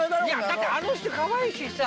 だってあの人かわいいしさ。